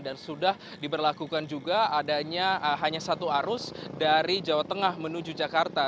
dan sudah diberlakukan juga adanya hanya satu arus dari jawa tengah menuju jakarta